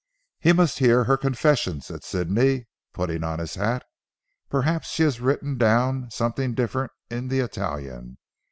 "He must hear her confession," said Sidney putting on his hat. "Perhaps she has written down something different in the Italian.